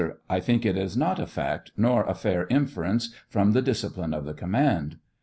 I think it is not a fact, nor a fair inference from the discipline of the command. Q.